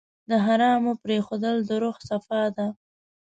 د حرامو پرېښودل د روح صفا ده.